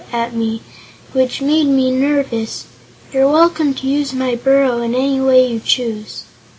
at me, which made me nervous. You're welcome to use my burrow in any way you choose."